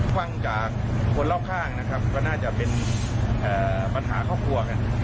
ก่อจากคนเลาค์ข้างนะครับก็น่าจะเป็นบัญหาครอบครัว